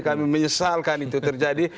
kami menyesalkan itu terjadi